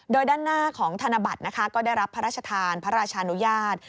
โดยด้านหน้าของธนบัตรนะคะก็ได้รับพระราชทานพระราชานุญาต